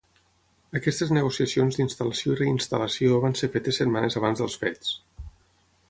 Aquestes negociacions d'instal·lació i reinstal·lació van ser fetes setmanes abans dels fets.